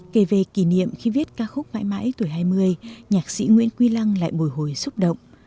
kể về kỷ niệm khi viết ca khúc mãi mãi tuổi hai mươi nhạc sĩ nguyễn quy lăng lại bồi hồi xúc động